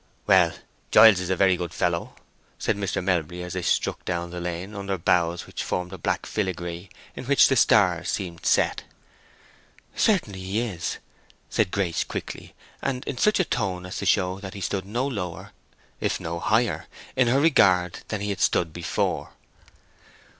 "Well, Giles is a very good fellow," said Mr. Melbury, as they struck down the lane under boughs which formed a black filigree in which the stars seemed set. "Certainly he is," said Grace, quickly, and in such a tone as to show that he stood no lower, if no higher, in her regard than he had stood before.